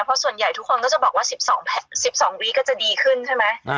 เพราะส่วนใหญ่ทุกคนก็จะบอกว่า๑๒วีก็จะดีขึ้นใช่ไหม